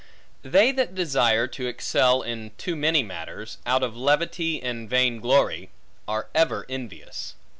They that desire to excel in too many matters, out of levity and vain glory, are ever envious.